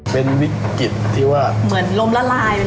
เป็นวิกฤตที่ว่าเหมือนลมละลาย